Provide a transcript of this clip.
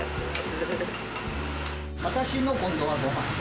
私の、今度はごはん。